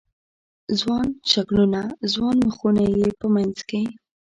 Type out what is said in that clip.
ځوان شکلونه، ځوان مخونه یې په منځ کې